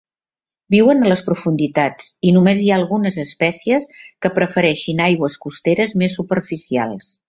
Viuen a les profunditats i només hi ha algunes espècies que prefereixin aigües costeres més superficials.